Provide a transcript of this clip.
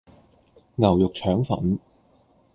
牛肉腸粉